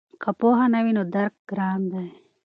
که پوهه نه وي نو درک ګران دی.